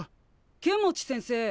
剣持先生。